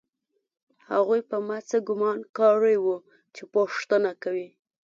هغوی په ما څه ګومان کړی و چې پوښتنه کوي